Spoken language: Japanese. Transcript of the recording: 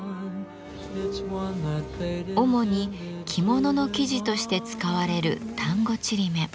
主に着物の生地として使われる丹後ちりめん。